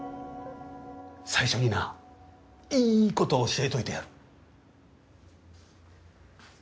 最初にないいこと教えといてやる。